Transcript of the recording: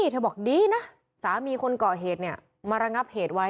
เธอบอกดีสามีคนเกาะเหตุมาแรงสร้างเหตุไว้